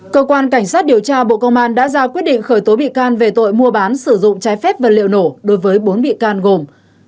cơ quan cảnh sát điều tra bộ công an đã ra quyết định khởi tố bị can về tội mua bán sử dụng trái phép vật liệu nổ đối với bốn bị can gồm